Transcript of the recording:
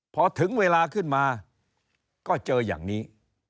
พอถึงเวลาขึ้นมาก็เจออย่างนี้